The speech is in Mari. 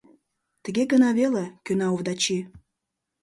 — Тыге гын веле, — кӧна Овдачи.